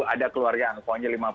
ada keluarga yang angpaonya lima puluh